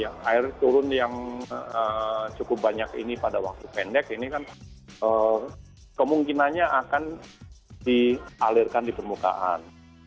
ya air turun yang cukup banyak ini pada waktu pendek ini kan kemungkinannya akan dialirkan di permukaan